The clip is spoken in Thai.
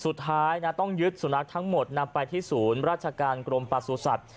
สุดท้ายนะต้องยึดสุนัขทั้งหมดนำไปที่ศูนย์ราชการกรมประสุทธิ์